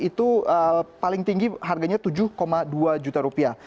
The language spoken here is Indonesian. itu paling tinggi harganya tujuh dua juta rupiah